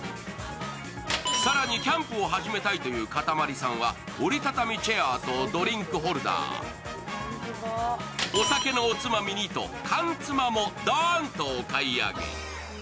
更に、キャンプを始めたいというかたまりさんは折り畳みチェアとドリンクホルダー、お酒のおつまみにと缶つまもドーンとお買い上げ。